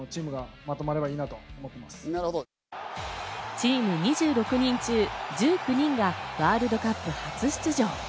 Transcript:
チーム２６人中１９人がワールドカップ初出場。